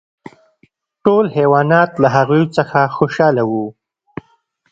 ټول حیوانات له هغوی څخه خوشحاله وو.